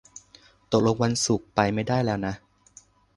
ตกลงวันศุกร์ไปไม่ได้แล้วนะ